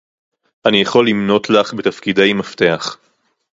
אני יכול למנות לך בתפקידי מפתח